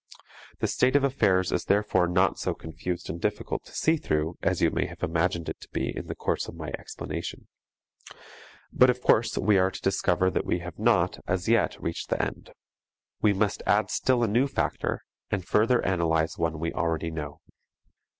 The state of affairs is therefore not so confused and difficult to see through, as you may have imagined it to be in the course of my explanation. But of course we are to discover that we have not, as yet, reached the end. We must add still a new factor and further analyze one we already know.